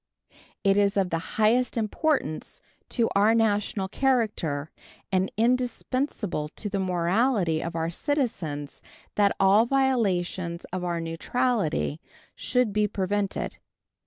It is of the highest importance to our national character and indispensable to the morality of our citizens that all violations of our neutrality should be prevented.